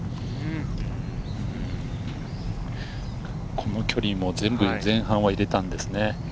この距離も全部前半は入れたんですね。